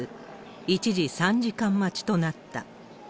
一時３時間待ちとなった。